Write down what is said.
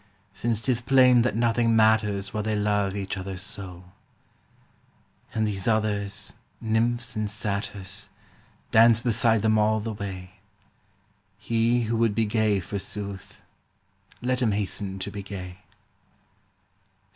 Since 'tis plain that nothing matters While they love each other so ; And these others, nymphs and satyrs, Dance beside them all the way : He who would be gay, forsooth, Let him hasten to be gay.